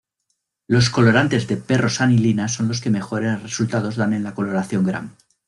Los colorantes de p-rosanilina son los que mejores resultados dan en la coloración gram.